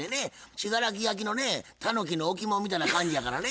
信楽焼のねたぬきの置物みたいな感じやからね。